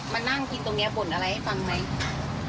มานั่งกินตรงนี้บ่นอะไรให้ฟังไหม